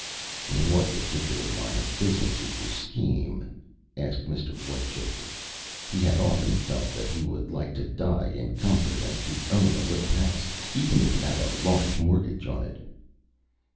"In what particular line of business is your scheme?" asked Mr. Whitechoker. He had often felt that he would like to die in comfort, and to own a little house, even if it had a large mortgage on it.